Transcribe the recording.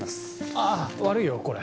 あぁ悪いよこれ。